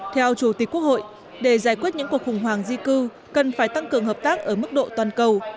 theo chủ tịch quốc hội để giải quyết những cuộc khủng hoảng di cư cần phải tăng cường hợp tác ở mức độ toàn cầu